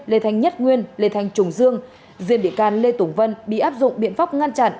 lê thanh nhất nguyên lê thanh trùng dương riêng bị can lê tùng vân bị áp dụng biện pháp ngăn chặn